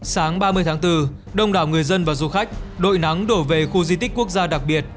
sáng ba mươi tháng bốn đông đảo người dân và du khách đội nắng đổ về khu di tích quốc gia đặc biệt